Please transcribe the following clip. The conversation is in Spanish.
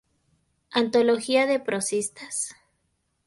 Antología de prosistas.